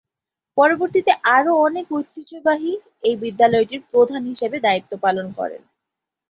পরবর্তীতে আরও অনেকেই ঐতিহ্যবাহী এই বিদ্যালয়টির প্রধান হিসেবে দায়িত্ব পালন করেন।